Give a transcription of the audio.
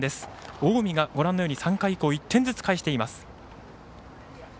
近江が３回以降１点ずつ返しています。